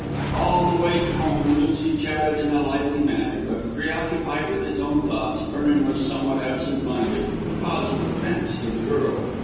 All the way home Lucy chatted in a lively manner, but, preoccupied with his own thoughts, Vernon was somewhat absentminded, a cause of offence to the girl.